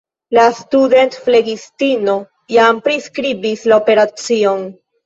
La studentflegistino jam priskribis la operacion.